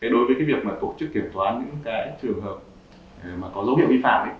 đối với việc tổ chức kiểm toán những trường hợp có dấu hiệu vi phạm